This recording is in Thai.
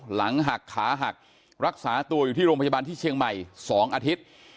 หลังหักขาหักรักษาตัวอยู่ที่โรงพยาบาลที่เชียงใหม่๒อาทิตย์